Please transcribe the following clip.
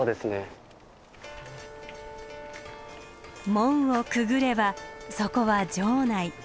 門をくぐればそこは城内。